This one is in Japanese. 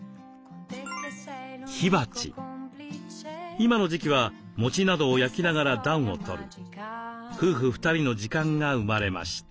今の時期は餅などを焼きながら暖を取る夫婦２人の時間が生まれました。